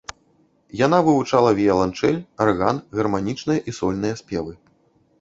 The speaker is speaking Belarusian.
Яна вывучала віяланчэль, арган, гарманічныя і сольныя спевы.